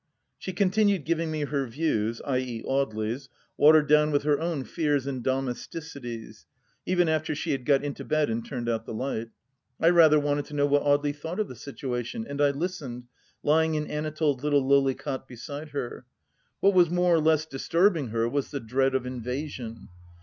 She continued giving me her views, i.e. Audely's, watered down with her own fears and domesticities, even after she had got into bed and turned out the light. I rather wanted to know what Audely thought of the situation, and I listened, lying in Anatole's little lowly cot beside her. What was more or less disturbing her was the dread of invasion.